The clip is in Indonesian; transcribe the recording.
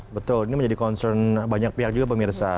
betul ini menjadi concern banyak pihak juga pemirsa